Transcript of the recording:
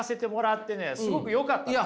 すごくよかったです。